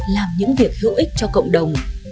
làm những việc hữu ích cho cộng đồng